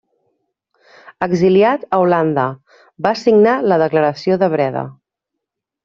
Exiliat a Holanda, va signar la Declaració de Breda.